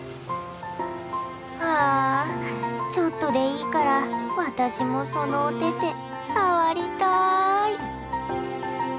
はあちょっとでいいから私もそのお手々触りたい。